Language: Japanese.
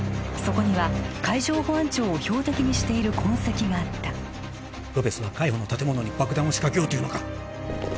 そこには海上保安庁を標的にしている痕跡があったロペスは海保の建物に爆弾を仕掛けようというのか？